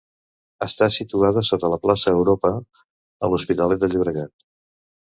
Està situada sota la plaça Europa a l'Hospitalet de Llobregat.